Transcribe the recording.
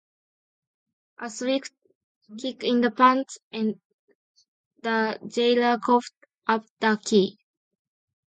A swift kick in the pants, and the jailer coughs up the key.